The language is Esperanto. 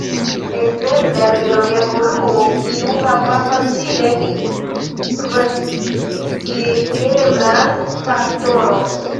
Ekzemple al biologia evoluo, kiu havas facile kvantigeblan faktoron.